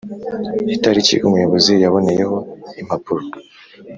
Itariki umuyobozi yaboneyeho impapuro